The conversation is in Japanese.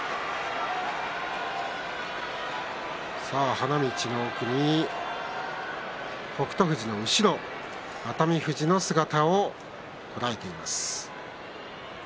花道の奥に、北勝富士の後ろ熱海富士の姿を捉えています。